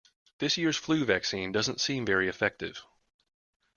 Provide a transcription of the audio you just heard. This year's flu vaccine doesn't seem very effective